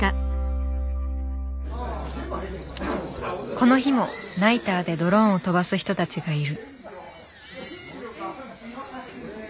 この日もナイターでドローンを飛ばす人たちがいる。